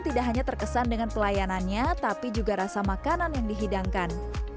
tidak hanya terkesan dengan pelayanannya tapi juga rasa makanan yang dihidangkan